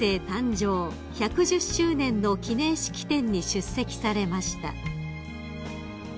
生１１０周年の記念式典に出席されました］